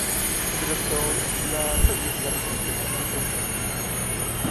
"Zresztą, dla czegóż zaraz myśleć o najgorszem?"